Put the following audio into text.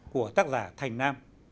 của tác giả thành nam